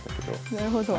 なるほど。